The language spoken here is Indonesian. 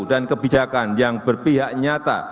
dan kebijakan yang berpihak nyata